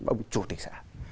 ông chủ tịch xã